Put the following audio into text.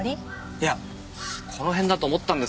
いやこの辺だと思ったんですけどね。